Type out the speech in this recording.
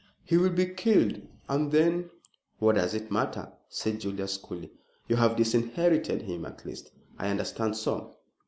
"He will be killed, and then " "What does it matter?" said Julius coolly "you have disinherited him at least, I understand so."